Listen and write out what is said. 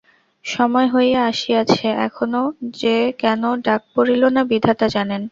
সময় হইয়া আসিয়াছে, এখনও যে কেন ডাক পড়িল না বিধাতা জানেন।